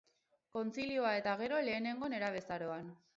Kontzilioa eta gero lehenengo nerabezaroan.